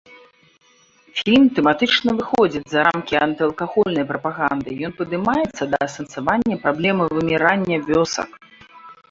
Фільм тэматычна выходзіць за рамкі антыалкагольнай прапаганды, ён падымаецца да асэнсавання праблемы вымірання вёсак.